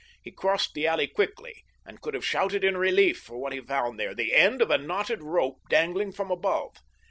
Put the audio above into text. He crossed the alley quickly, and could have shouted in relief for what he found there—the end of a knotted rope dangling from above.